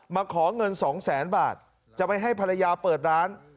มาขอเงินสองแสนบาทจะไปให้ภรรยาเปิดร้าน